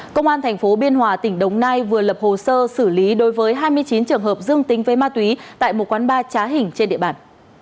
công an tp biên hòa tỉnh đồng nai vừa lập hồ sơ xử lý đối với hai mươi chín trường hợp dương tính với ma túy tại một quán ba trá hình trên địa bàn